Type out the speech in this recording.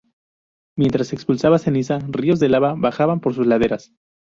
Mientras expulsaba ceniza, ríos de lava bajaban por sus laderas.